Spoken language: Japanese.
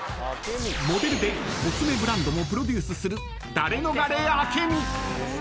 ［モデルでコスメブランドもプロデュースする］